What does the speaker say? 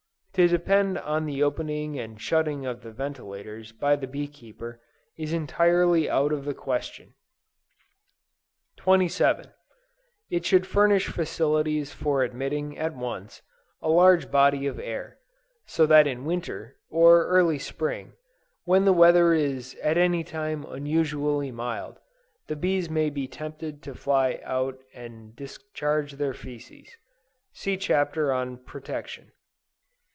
To depend on the opening and shutting of the ventilators by the bee keeper, is entirely out of the question. 27. It should furnish facilities for admitting at once, a large body of air; so that in winter, or early spring, when the weather is at any time unusually mild, the bees may be tempted to fly out and discharge their fæces. (See Chapter on Protection.)